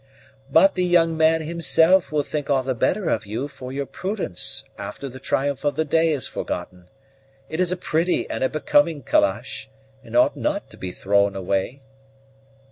"But the young man himself will think all the better of you for your prudence after the triumph of the day is forgotten. It is a pretty and a becoming calash, and ought not to be thrown away."